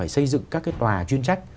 xây dựng các cái tòa chuyên trách